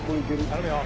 頼むよ。